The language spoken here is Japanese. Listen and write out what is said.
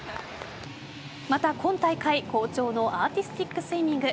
また今大会好調のアーティスティックスイミング。